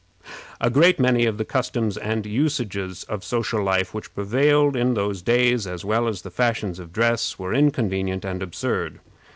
A great many of the customs and usages of social life which prevailed in those days, as well as the fashions of dress, were inconvenient and absurd.